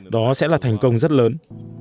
đó sẽ là thành công rất lớn